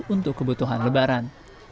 untuk kebutuhan lebaran